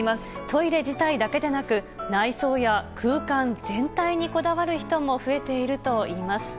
トイレ自体だけでなく、内装や空間全体にこだわる人も増えているといいます。